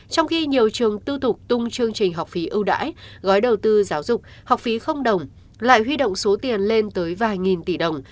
trong khi nhiều trường tư thục tung chương trình học phí ưu đãi gói đầu tư giáo dục học phí không đồng lại huy động số tiền lên tới vài nghìn tỷ đồng